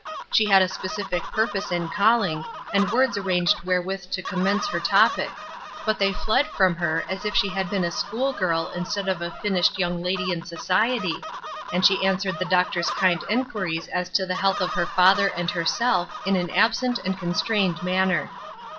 She had a specific purpose in calling, and words arranged wherewith to commence her topic; but they fled from her as if she had been a school girl instead of a finished young lady in society; and she answered the Doctor's kind enquiries as to the health of her father and herself in an absent and constrained manner.